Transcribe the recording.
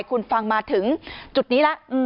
คุณฟังมาถึงจุดนี้แล้ว